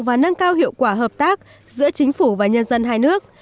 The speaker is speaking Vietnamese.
và nâng cao hiệu quả hợp tác giữa chính phủ và nhân dân hai nước